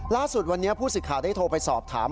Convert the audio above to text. ล่าสุดวันนี้ผู้สิทธิ์ข่าวได้โทรไปสอบถาม